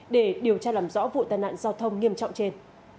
để điều tra làm rõ vụ tai nạn giao thông nghiêm trọng trên